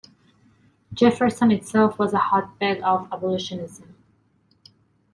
Jefferson itself was a hotbed of abolitionism.